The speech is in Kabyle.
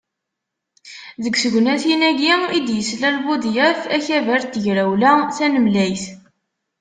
Deg tegnatin-agi i d-yeslal Budyaf Akabar n Tegrawla Tanemlayt.